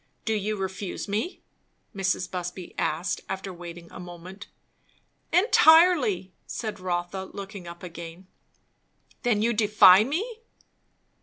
"Do you refuse me?" Mrs. Busby asked, after waiting a moment. "Entirely!" said Rotha looking up again. "Then you defy me!"